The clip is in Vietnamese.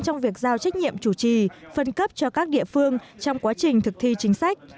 trong việc giao trách nhiệm chủ trì phân cấp cho các địa phương trong quá trình thực thi chính sách